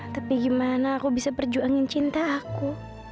tapi gimana aku bisa perjuangin cinta aku